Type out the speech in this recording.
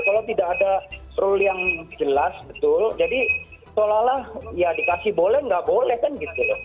kalau tidak ada rule yang jelas betul jadi seolah olah ya dikasih boleh nggak boleh kan gitu loh